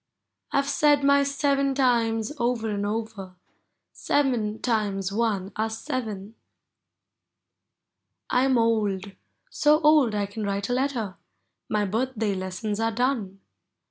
I '\e said my " seven times ?' over and over, — Seven times one are seven. I am old, — so old I can write a letter; My birthday lessons are done.